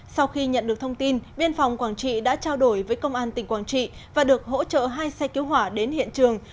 sau khi nhận được thông tin biên phòng quảng trị đã trao đổi với công an tỉnh quảng trị và được hỗ trợ hai xe cứu hỏa đến hiện trường